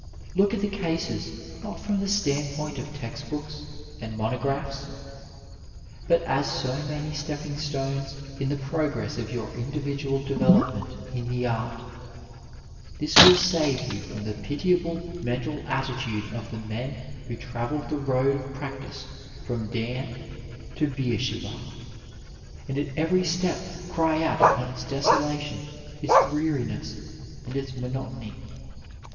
Look at the cases not from the standpoint of text books and monographs, but as so many stepping stones in the progress of your individual development in the art. This win save you from the pitiable mental attitude of the men who travel the road of practice from Dan to Beersheba, and at every step cry out upon its desolation, its dreariness, and its monotony.